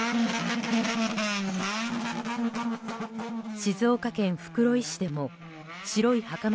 静岡県袋井市でも白いはかま